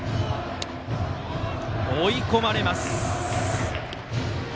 追い込まれます。